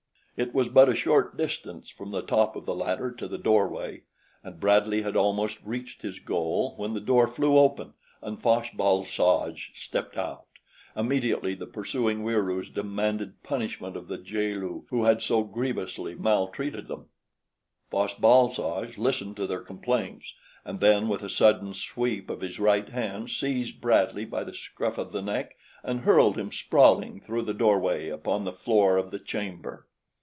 It was but a short distance from the top of the ladder to the doorway, and Bradley had almost reached his goal when the door flew open and Fosh bal soj stepped out. Immediately the pursuing Wieroos demanded punishment of the jaal lu who had so grievously maltreated them. Fosh bal soj listened to their complaints and then with a sudden sweep of his right hand seized Bradley by the scruff of the neck and hurled him sprawling through the doorway upon the floor of the chamber.